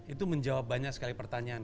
itu menjawab banyak sekali pertanyaan